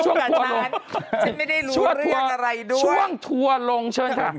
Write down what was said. ช่วงทัวร์ช่วงทัวร์ลงเชิญค่ะ